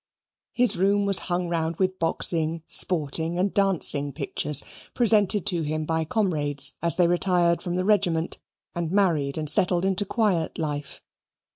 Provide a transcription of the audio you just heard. His room was hung round with boxing, sporting, and dancing pictures, presented to him by comrades as they retired from the regiment, and married and settled into quiet life.